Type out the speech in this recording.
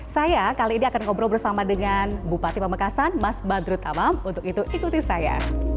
saya kali ini akan ngobrol bersama dengan bupati pamekasan mas badrut amam untuk itu ikuti saya